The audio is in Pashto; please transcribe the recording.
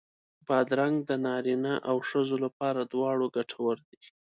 بادرنګ د نارینو او ښځو لپاره دواړو ګټور دی.